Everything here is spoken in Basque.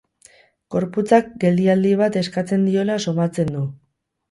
Gorputzak geldialdi bat eskatzen diola somatzen du.